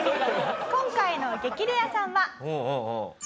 今回の激レアさんは。